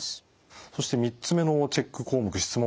そして３つ目のチェック項目質問項目